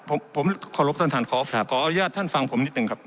ผมผมขอรบท่านท่านขออนุญาตท่านฟังผมนิดหนึ่งครับ